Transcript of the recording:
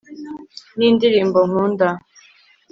nindirimbo nkunda